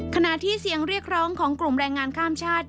ขณะที่เสียงเรียกร้องของกลุ่มแรงงานข้ามชาติ